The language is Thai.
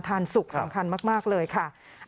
สุกสำคัญมากเลยค่ะ